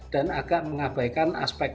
dan agak mengabaikan aspek